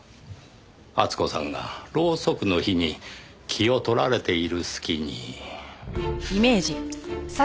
厚子さんがろうそくの火に気を取られている隙に。